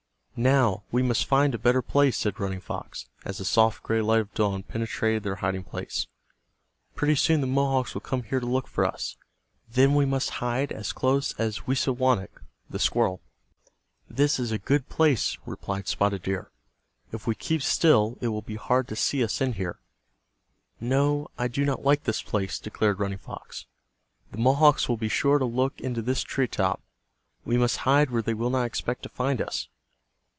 "Now we must find a better place," said Running Fox, as the soft gray light of dawn penetrated their hiding place. "Pretty soon the Mohawks will come here to look for us. Then we must hide as close as Wisawanik, the squirrel." "This is a good place," replied Spotted Deer. "If we keep still it will be hard to see us in here." "No, I do not like this place," declared Running Fox. "The Mohawks will be sure to look into this tree top. We must hide where they will not expect to find us."